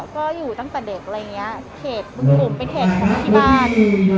ก็อยู่ตั้งแต่เด็กอะไรอย่างนี้เขตบึงกลุ่มเป็นเขตของที่บ้าน